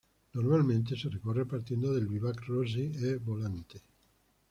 Normalmente se recorre partiendo del Vivac Rossi e Volante.